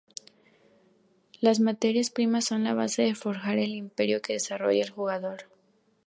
Las materias primas son la base para forjar el imperio que desarrolla el jugador.